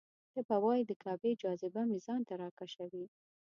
ته به وایې د کعبې جاذبه مې ځان ته راکشوي.